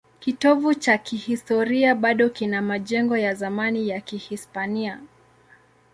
Kitovu cha kihistoria bado kina majengo ya zamani ya Kihispania.